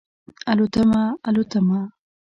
الوتمه، الوتمه